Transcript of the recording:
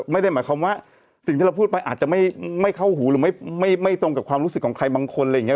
ไม่ได้หมายความว่าสิ่งที่เราพูดไปอาจจะไม่เข้าหูหรือไม่ตรงกับความรู้สึกของใครบางคนอะไรอย่างนี้